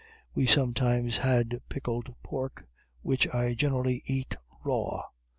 We sometimes had pickeled pork, which I generally eat raw.